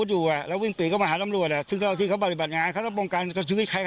แล้วเขาวิ่งออกมาจะไม่วิ่งเขาอยู่ในนั้นน่ะเขาวิ่งนั้นน่ะ